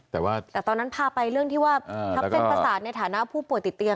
แต่ว่าแต่ตอนนั้นพาไปเรื่องที่ว่าทับเส้นประสาทในฐานะผู้ป่วยติดเตียง